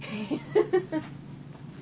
フフフフ。